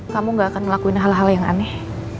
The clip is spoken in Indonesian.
kamu gak akan melakuin hal hal yang aneh